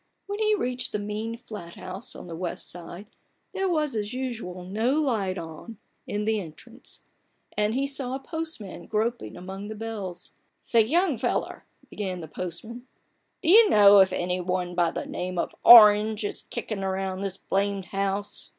When he reached the mean flat house on the west side, there was, as usual, no light in the THE BARGAIN OF RUPERT ORANGE. 23 entrance, and he saw a postman groping among the bells. " Say, young feller !" began the postman, " do you know if any one by the name of Orange is kickin' around this blamed house